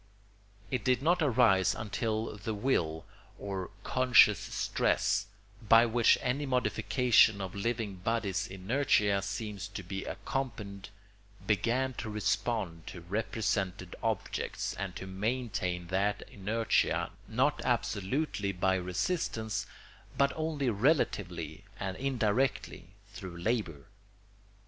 It did not arise until the will or conscious stress, by which any modification of living bodies' inertia seems to be accompanied, began to respond to represented objects, and to maintain that inertia not absolutely by resistance but only relatively and indirectly through labour.